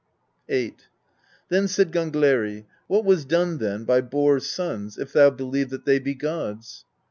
VIII. Then said Gangleri: "What was done then by Borr's sons, if thou believe that they be gods